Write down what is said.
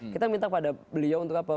kita minta pada beliau untuk apa